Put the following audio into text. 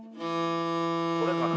これかな？